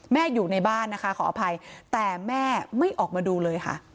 อยู่ในบ้านนะคะขออภัยแต่แม่ไม่ออกมาดูเลยค่ะ